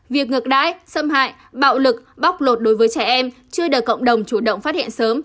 việc ngược đãi xâm hại bạo lực bóc lột đối với trẻ em chưa được cộng đồng chủ động phát hiện sớm